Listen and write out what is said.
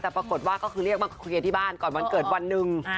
แล้วปรากฏว่าก็คือเรียกวันเกิดที่บ้านก่อนวันเกิดวันหนึ่ง